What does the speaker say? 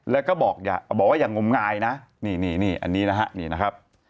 แล้วก็บอกอย่างงมงายนะนี่อันนี้นะครับ